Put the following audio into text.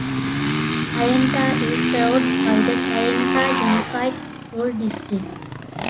Kayenta is served by the Kayenta Unified School District.